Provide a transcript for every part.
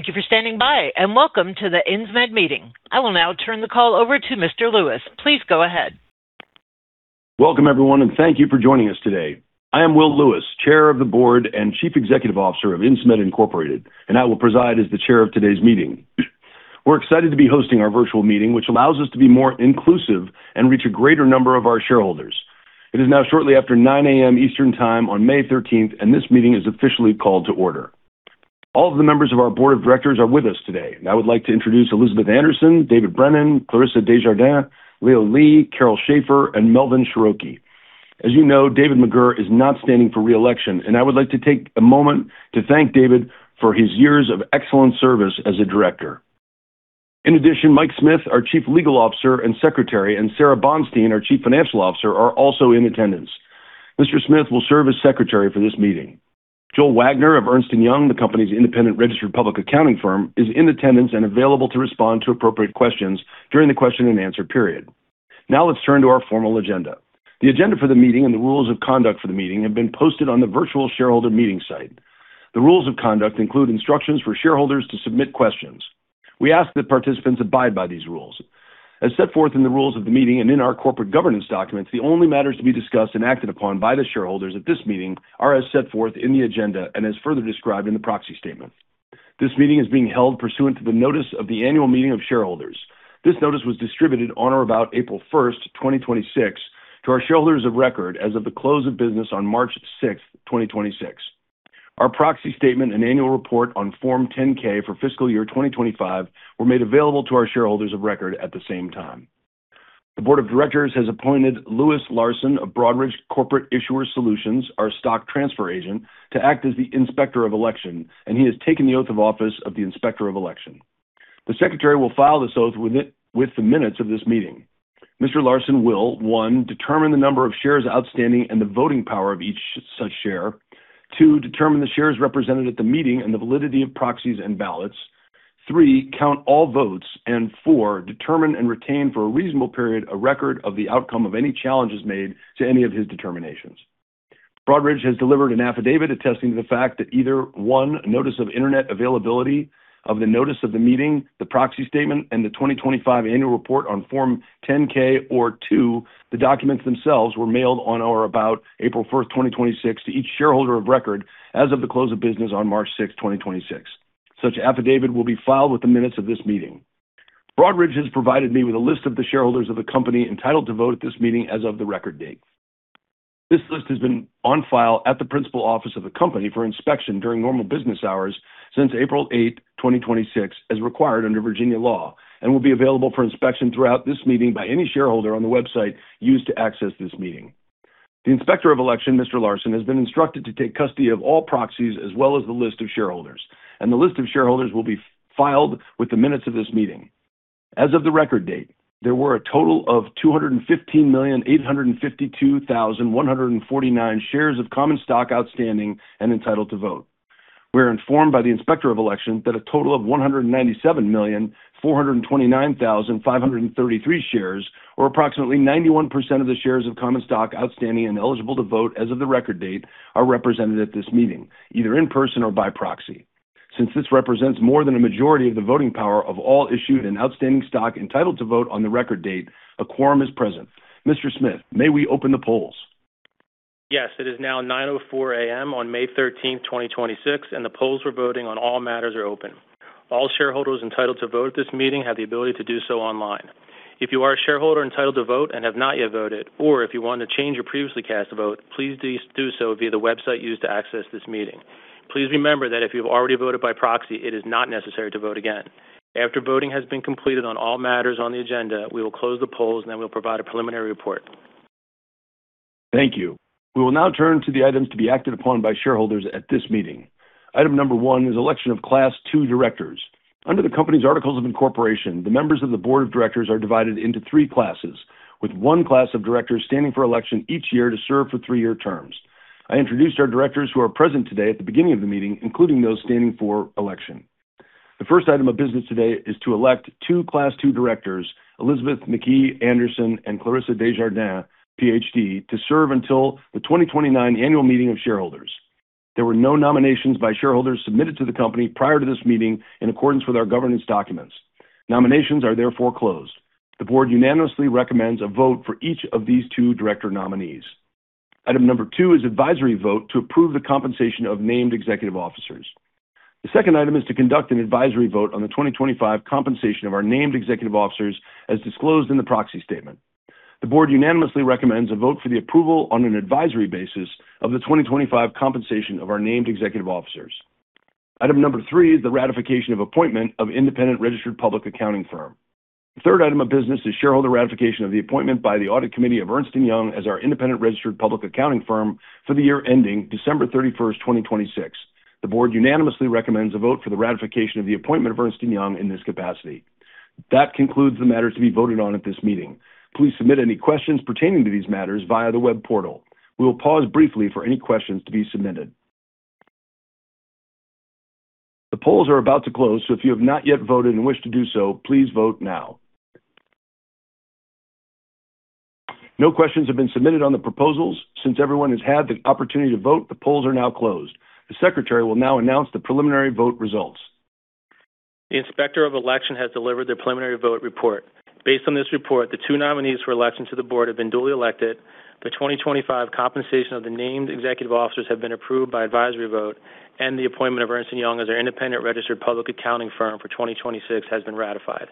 Thank you for standing by, and welcome to the Insmed meeting. I will now turn the call over to Mr. Lewis. Please go ahead. Welcome, everyone, and thank you for joining us today. I am Will Lewis, Chair of the Board and Chief Executive Officer of Insmed Incorporated, and I will preside as the Chair of today's meeting. We're excited to be hosting our virtual meeting, which allows us to be more inclusive and reach a greater number of our shareholders. It is now shortly after 9:00 AM. Eastern Time on May 13th, and this meeting is officially called to order. All of the members of our Board of Directors are with us today, and I would like to introduce Elizabeth Anderson, David Brennan, Clarissa Desjardins, Leo Lee, Carol Schafer, and Melvin Sharoky. As you know, David McGirr is not standing for re-election, and I would like to take a moment to thank David for his years of excellent service as a Director. In addition, Mike Smith, our Chief Legal Officer and Secretary, and Sara Bonstein, our Chief Financial Officer, are also in attendance. Mr. Smith will serve as secretary for this meeting. Joel Wagner of Ernst & Young, the company's independent registered public accounting firm, is in attendance and available to respond to appropriate questions during the question-and-answer period. Now, let's turn to our formal agenda. The agenda for the meeting and the rules of conduct for the meeting have been posted on the virtual shareholder meeting site. The rules of conduct include instructions for shareholders to submit questions. We ask that participants abide by these rules. As set forth in the rules of the meeting and in our corporate governance documents, the only matters to be discussed and acted upon by the shareholders at this meeting are as set forth in the agenda and as further described in the proxy statement. This meeting is being held pursuant to the notice of the annual meeting of shareholders. This notice was distributed on or about April 1st, 2026, to our shareholders of record as of the close of business on March 6th, 2026. Our proxy statement and annual report on Form 10-K for fiscal year 2025 were made available to our shareholders of record at the same time. The board of directors has appointed Louis Larson of Broadridge Corporate Issuer Solutions, our stock transfer agent, to act as the inspector of election, and he has taken the oath of office of the inspector of election. The secretary will file this oath with the minutes of this meeting. Mr. Larson will, one, determine the number of shares outstanding and the voting power of each such share. Two, determine the shares represented at the meeting and the validity of proxies and ballots, three, count all votes, and four, determine and retain for a reasonable period a record of the outcome of any challenges made to any of his determinations. Broadridge has delivered an affidavit attesting to the fact that either, one, notice of internet availability of the notice of the meeting, the proxy statement, and the 2025 annual report on Form 10-K, or two, the documents themselves were mailed on or about April 1st, 2026 to each shareholder of record as of the close of business on March 6th, 2026. Such affidavit will be filed with the minutes of this meeting. Broadridge has provided me with a list of the shareholders of the company entitled to vote at this meeting as of the record date. This list has been on file at the principal office of the company for inspection during normal business hours since April 8, 2026, as required under Virginia law, and will be available for inspection throughout this meeting by any shareholder on the website used to access this meeting. The inspector of election, Mr. Larson, has been instructed to take custody of all proxies as well as the list of shareholders, and the list of shareholders will be filed with the minutes of this meeting. As of the record date, there were a total of 215,852,149 shares of common stock outstanding and entitled to vote. We are informed by the inspector of election that a total of 197,429,533 shares, or approximately 91% of the shares of common stock outstanding and eligible to vote as of the record date, are represented at this meeting, either in person or by proxy. Since this represents more than a majority of the voting power of all issued and outstanding stock entitled to vote on the record date, a quorum is present. Mr. Smith, may we open the polls? Yes, it is now 9:04 A.M. on May 13th, 2026, and the polls for voting on all matters are open. All shareholders entitled to vote at this meeting have the ability to do so online. If you are a shareholder entitled to vote and have not yet voted, or if you want to change your previously cast vote, please do so via the website used to access this meeting. Please remember that if you've already voted by proxy, it is not necessary to vote again. After voting has been completed on all matters on the agenda, we will close the polls, and then we'll provide a preliminary report. Thank you. We will now turn to the items to be acted upon by shareholders at this meeting. Item number one is election of class two directors. Under the company's articles of incorporation, the members of the board of directors are divided into three classes, with one class of directors standing for election each year to serve for three-year terms. I introduced our directors who are present today at the beginning of the meeting, including those standing for election. The first item of business today is to elect two class two directors, Elizabeth McKee Anderson and Clarissa Desjardins, Ph.D., to serve until the 2029 annual meeting of shareholders. There were no nominations by shareholders submitted to the company prior to this meeting in accordance with our governance documents. Nominations are therefore closed. The board unanimously recommends a vote for each of these two director nominees. Item number two is advisory vote to approve the compensation of named executive officers. The second item is to conduct an advisory vote on the 2025 compensation of our named executive officers as disclosed in the proxy statement. The board unanimously recommends a vote for the approval on an advisory basis of the 2025 compensation of our named executive officers. Item number three is the ratification of appointment of independent registered public accounting firm. The third item of business is shareholder ratification of the appointment by the audit committee of Ernst & Young as our independent registered public accounting firm for the year ending December 31st, 2026. The board unanimously recommends a vote for the ratification of the appointment of Ernst & Young in this capacity. That concludes the matters to be voted on at this meeting. Please submit any questions pertaining to these matters via the web portal. We will pause briefly for any questions to be submitted. The polls are about to close, so if you have not yet voted and wish to do so, please vote now. No questions have been submitted on the proposals. Since everyone has had the opportunity to vote, the polls are now closed. The secretary will now announce the preliminary vote results. The inspector of election has delivered the preliminary vote report. Based on this report, the two nominees for election to the board have been duly elected. The 2025 compensation of the named executive officers have been approved by advisory vote, and the appointment of Ernst & Young as our independent registered public accounting firm for 2026 has been ratified.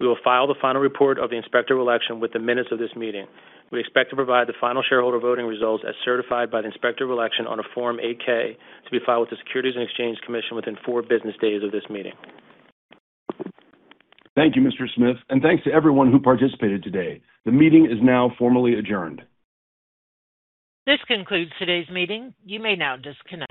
We will file the final report of the inspector election with the minutes of this meeting. We expect to provide the final shareholder voting results as certified by the inspector of election on a Form 8-K to be filed with the Securities and Exchange Commission within four business days of this meeting. Thank you, Mr. Smith, and thanks to everyone who participated today. The meeting is now formally adjourned. This concludes today's meeting. You may now disconnect.